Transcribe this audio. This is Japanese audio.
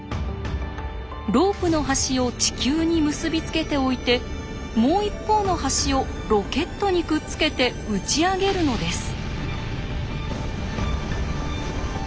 ロープの端を地球に結び付けておいてもう一方の端をロケットにくっつけて打ち上げるのです。